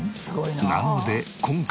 なので今回。